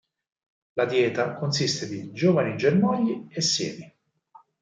La dieta consiste di giovani germogli e semi.